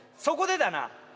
そこでだな。